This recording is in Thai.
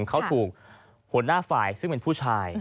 เขาถูกหัวหน้าฝ่ายซึ่งเป็นผู้ชาย